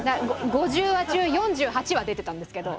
５０話中４８話出てたんですけど。